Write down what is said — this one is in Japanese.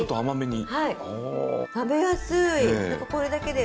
食べやすい。